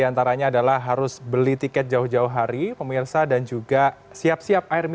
dan saya akan sedikit membicarakan tentang cuaca cuaca ini